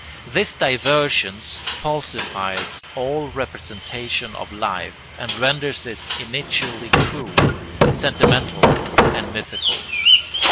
] This divergence falsifies all representation of life and renders it initially cruel, sentimental, and mythical.